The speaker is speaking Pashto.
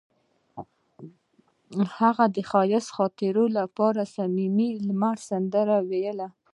هغې د ښایسته خاطرو لپاره د صمیمي لمر سندره ویله.